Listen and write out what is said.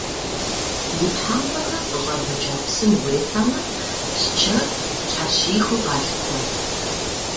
И тхьэмпэхэм къыщӏэвыкӏа псым уефэмэ, псчэр пщхьэщихыу къалъытэ.